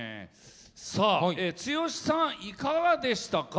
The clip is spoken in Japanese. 剛さん、いかがでしたか？